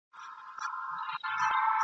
مرګ له خپله لاسه ..